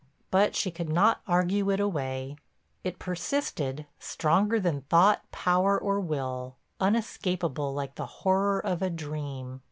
But she could not argue it away; it persisted, stronger than thought, power or will, unescapable like the horror of a dream.